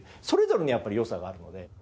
それぞれにやっぱり良さがあるので。